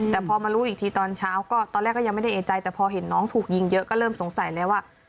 แต่พอมารู้อีกทีตอนเช้าก็ตอนแรกก็ยังไม่ได้เอกใจแต่พอเห็นน้องถูกยิงเยอะก็เริ่มสงสัยแล้วว่า